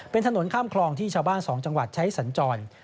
เป็นถนนข้ามคลองที่ชาวบ้าน๒จังหวัดใช้สัญจร